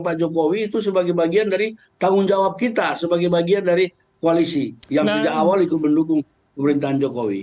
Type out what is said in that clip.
pak jokowi itu sebagai bagian dari tanggung jawab kita sebagai bagian dari koalisi yang sejak awal ikut mendukung pemerintahan jokowi